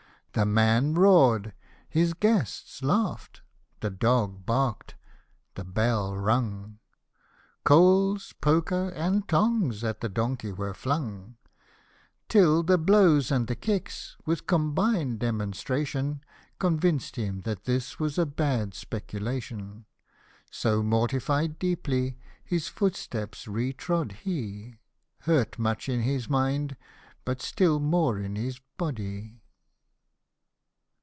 The man roar'd his guests laugh'd the dog bark'd the bell rung ; Coals, poker, and tongs at the donkey were flung, Till the blows and the kicks, with combined demonstra tion, Convinced him that this was a bad speculation j So, mortified deeply, his footsteps re trod he, Hurt much in his mind, but still more in his body.